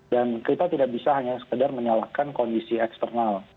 dan kita tidak bisa hanya sekedar menyalakan kondisi eksternal